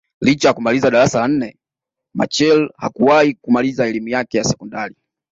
Licha ya kumaliza darasa la nne Machel hakuwahi kumaliza elimu yake ya sekondari